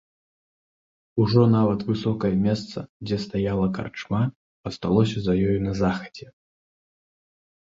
Ужо нават высокае месца, дзе стаяла карчма, асталося за ёю на захадзе.